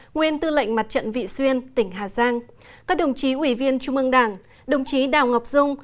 nguyên tư lệnh mặt trận vị xuyên tỉnh hà giang các đồng chí ủy viên trung ương đảng đồng chí đào ngọc dung